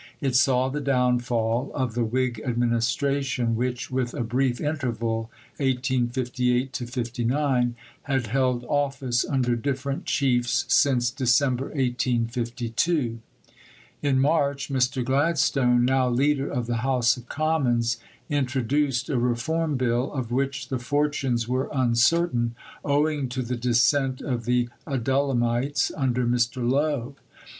It saw the downfall of the Whig Administration which, with a brief interval (1858 59), had held office under different chiefs since December 1852. In March Mr. Gladstone, now leader of the House of Commons, introduced a Reform Bill, of which the fortunes were uncertain owing to the dissent of the Adullamites under Mr. Lowe.